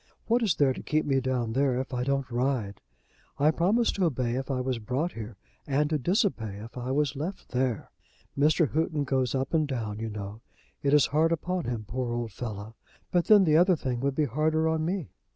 What is there to keep me down there if I don't ride? I promised to obey if I was brought here, and to disobey if I was left there. Mr. Houghton goes up and down, you know. It is hard upon him, poor old fellow. But then the other thing would be harder on me.